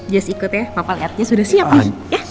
jess ikut ya papa lihatnya sudah siap nih